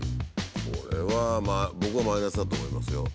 これは僕はマイナスだと思いますよ。